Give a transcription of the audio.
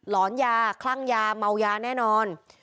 อนยาคลั่งยาเมายาแน่นอน